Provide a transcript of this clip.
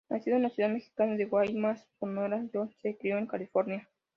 Nacido en la ciudad mexicana de Guaymas, Sonora, John se crio en California.